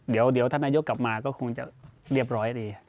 เดี๋ยวท่านนายกกลับมาก็คงจะเรียบร้อยดี